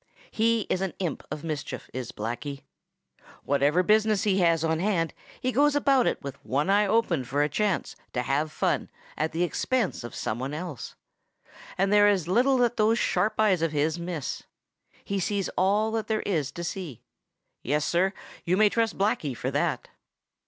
He is an imp of mischief, is Blacky. Whatever business he has on hand he goes about it with one eye open for a chance to have fun at the expense of some one else. And there is little that those sharp eyes of his miss. He sees all that there is to see. Yes, Sir, you may trust Blacky for that!